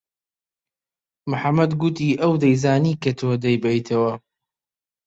محەممەد گوتی ئەو دەیزانی کە تۆ دەیبەیتەوە.